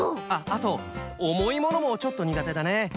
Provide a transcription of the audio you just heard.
あとおもいものもちょっとにがてだね。